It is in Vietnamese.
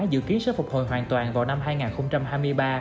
dự kiến sẽ phục hồi hoàn toàn vào năm hai nghìn hai mươi ba